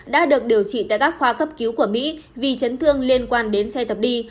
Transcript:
đã được điều trị tại các khoa cấp cứu của mỹ vì chấn thương liên quan đến xe tập đi